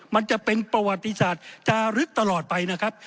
มันจะเป็นประวัติศาสตร์จารึกตลอดไปนะครับ